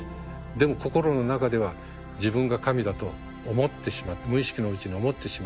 でも心の中では自分が神だと思ってしまって無意識のうちに思ってしまっている。